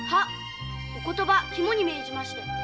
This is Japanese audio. お言葉肝に銘じまして。